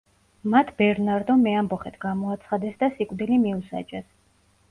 მათ ბერნარდო მეამბოხედ გამოაცხადეს და სიკვდილი მიუსაჯეს.